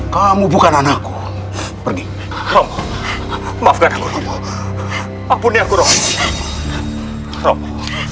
kamu bukan anakku pergi maafkan aku aku niatku romo